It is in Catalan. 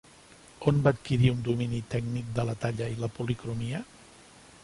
On va adquirir un domini tècnic de la talla i la policromia?